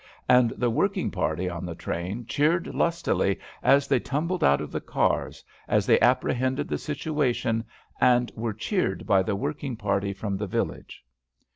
And the working party on the train cheered lustily as they tumbled out of the cars, as they apprehended the situation, and were cheered by the working party from the village.